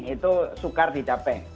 itu sukar dicapai